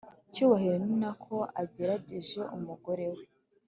cyubahiro ninako agerereje umugore we